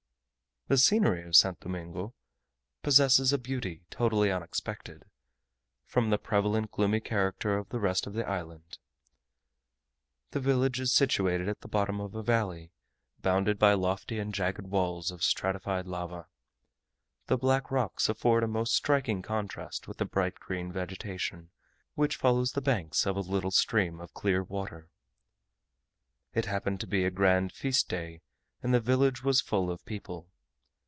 The scenery of St. Domingo possesses a beauty totally unexpected, from the prevalent gloomy character of the rest of the island. The village is situated at the bottom of a valley, bounded by lofty and jagged walls of stratified lava. The black rocks afford a most striking contrast with the bright green vegetation, which follows the banks of a little stream of clear water. It happened to be a grand feast day, and the village was full of people.